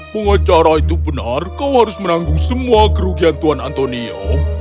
kalau acara itu benar kau harus menanggung semua kerugian tuan antonio